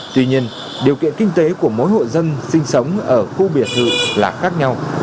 tuy nhiên điều kiện kinh tế của mỗi hộ dân sinh sống ở khu biệt thự là khác nhau